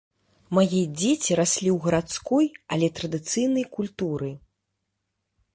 Мае дзеці раслі ў гарадской, але традыцыйнай культуры.